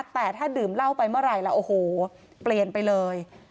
แต่ถ้าดื่มเหล้าไปเมื่อไหร่แล้วโอ้โหเปลี่ยนไปเลย